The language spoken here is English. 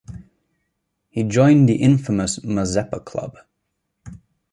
He joined the infamous Mazeppa Club.